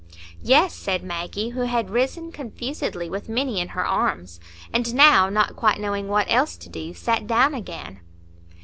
"Yes," said Maggie, who had risen confusedly with Minny in her arms, and now, not quite knowing what else to do, sat down again.